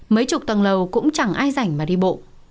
mấy chục tầng lầu cũng chẳng ai rảnh mà đi bộ